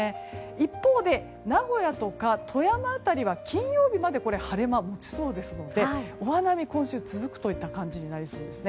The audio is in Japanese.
一方で、名古屋とか富山辺りは金曜日まで晴れ間が持ちそうですのでお花見、今週続くといった感じになりそうです。